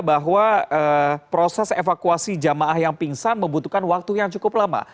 bahwa proses evakuasi jamaah yang pingsan membutuhkan waktu yang cukup lama